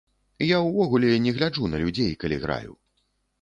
Я увогуле не гляджу на людзей, калі граю.